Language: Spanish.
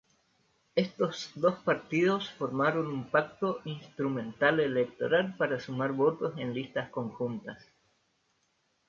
Estos dos partidos formaron un pacto instrumental electoral para sumar votos en listas conjuntas.